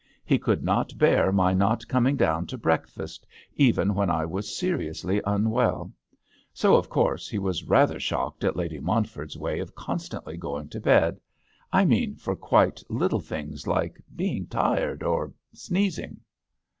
He could not bear my not coming down to breakfast even when I was seriously un well ; so of course he was rather shocked at Lady Montford's way of constantly going to bed — I mean for quite little things, like being tired or sneezing."